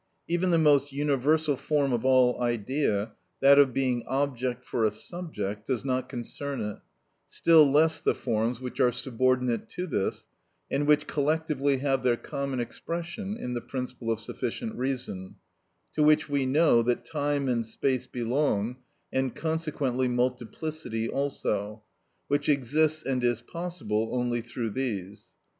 Even the most universal form of all idea, that of being object for a subject, does not concern it; still less the forms which are subordinate to this and which collectively have their common expression in the principle of sufficient reason, to which we know that time and space belong, and consequently multiplicity also, which exists and is possible only through these.